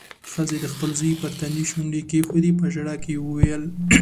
ښځې د خپل زوی پر تندي شونډې کېښودې. په ژړا کې يې وويل: